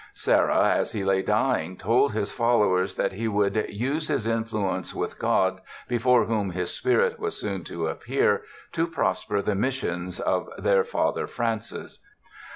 Serra, as he lay dying, told his followers that he would "use his influence with God" before whom his spirit was soon to appear, to prosper the Missions of their Father Francis.